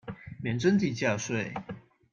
免徵地價稅